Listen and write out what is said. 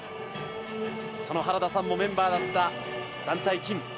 その原田さんもメンバーだった団体金。